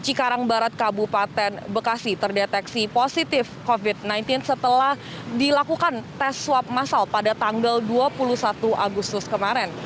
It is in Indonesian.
cikarang barat kabupaten bekasi terdeteksi positif covid sembilan belas setelah dilakukan tes swab masal pada tanggal dua puluh satu agustus kemarin